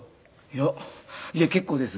いやいや結構です。